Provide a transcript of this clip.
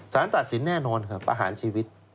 สารตัดสินแน่นอนครับประหารชีวิต